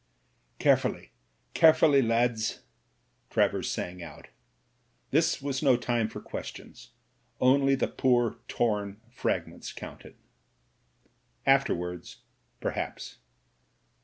"Carefully, carefully, lads," Travers sang out. This was no time for questions, only the poor torn frag ments counted. Afterwards, perhaps.